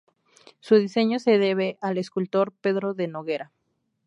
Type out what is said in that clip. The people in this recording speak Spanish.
Su diseño se debe al escultor Pedro de Noguera.